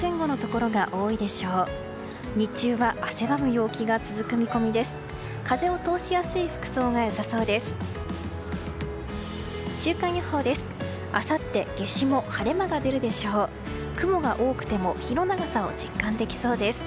雲が多くても日の長さを実感できそうです。